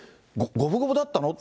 五分五分だったの？